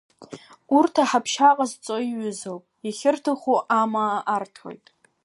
Урҭ, аҳаԥшьа ҟазҵо иҩызоуп, иахьырҭаху амаа арҭоит.